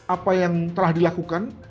apa yang telah dilakukan